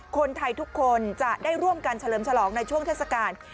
คนไทยทุกคนจะได้ร่วมกันเฉลิมฉลองในช่วงเทศกาล